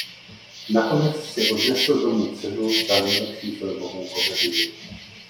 Nakonec si odnesl domů cenu za nejlepší filmovou komedii.